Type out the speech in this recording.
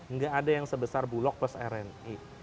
nggak ada yang sebesar bulog plus rni